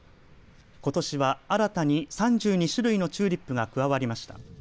ことしは、新たに３２種類のチューリップが加わりました。